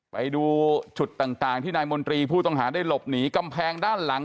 ไปดูจุดต่างที่นายมนตรีผู้ต้องหาได้หลบหนีกำแพงด้านหลัง